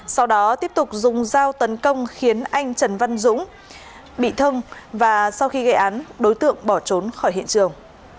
sau đó tiếp tục dùng dao tấn công khiến anh trần văn dũng bị thương và sau khi gây án đối tượng bỏ trốn khỏi hiện trường